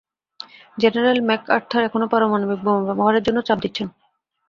General MacArthur এখনও পারমাণবিক বোমা ব্যবহারের জন্য চাপ দিচ্ছেন।